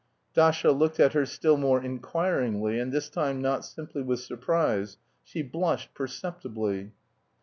Dasha looked at her still more inquiringly, and this time not simply with surprise; she blushed perceptibly.